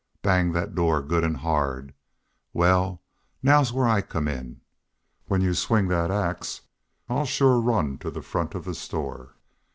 Bang thet door good an' hard.... Wal, now's where I come in. When y'u swing thet ax I'll shore run fer the front of the store.